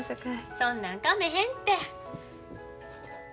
そんなんかめへんて。